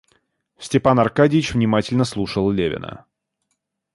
Степан Аркадьич внимательно слушал Левина.